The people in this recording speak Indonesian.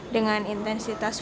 dan di jepang